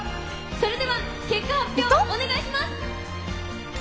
それでは結果発表お願いします！